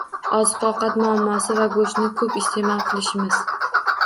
Oziq -ovqat muammosi va go'shtni ko'p iste'mol qilishimiz